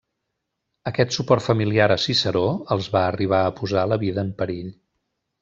Aquest suport familiar a Ciceró els va arribar a posar la vida en perill.